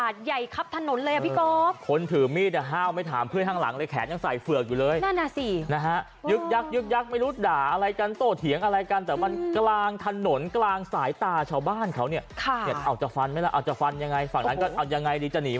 จะหนีไหมเพื่อนก็เข้าเฝือกอยู่อาจจะยังไงต่อดี